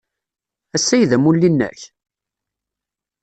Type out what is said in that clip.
Ass-a ay d amulli-nnek?